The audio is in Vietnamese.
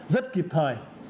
rất kịp thời